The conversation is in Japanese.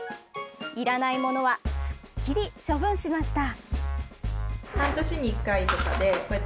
いらない物はすっきり処分しました。